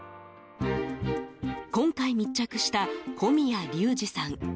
今回密着した、小宮龍司さん。